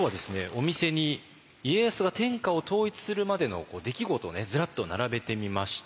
お店に家康が天下を統一するまでの出来事をねずらっと並べてみました。